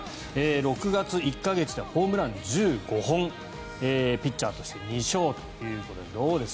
６月１か月でのホームランが１５本ピッチャーとして２勝ということでどうです？